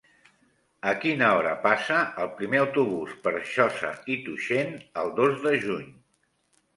A quina hora passa el primer autobús per Josa i Tuixén el dos de juny?